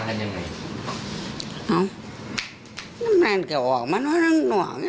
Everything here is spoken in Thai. หามาน่ารักนั้นเดี๋ยวออกมานอนรักหน่วง